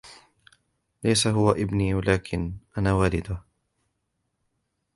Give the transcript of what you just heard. ليس "هو إبني" ولكن " أنا والده".